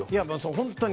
本当に。